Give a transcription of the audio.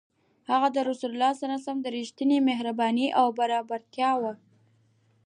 هغه ﷺ رښتینی، مهربان او بردباره و.